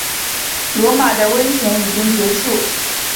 罗马的危险已经结束。